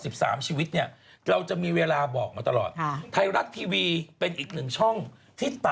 พี่หนูเขาจะใส่อีกนี้นะ